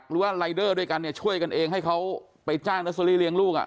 หรือว่ารายเดอร์ด้วยกันเนี่ยช่วยกันเองให้เขาไปจ้างเนอร์เซอรี่เลี้ยงลูก